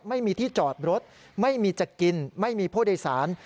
ไม่มีที่จอดรถไม่มีจะกินไม่มีผู้โดยสาร